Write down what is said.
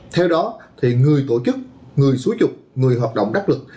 theo đó thì người tổ chức người xúi trục người hoạt động đắc lực